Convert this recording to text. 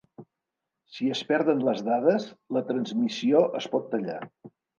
Si es perden les dades, la transmissió es pot tallar.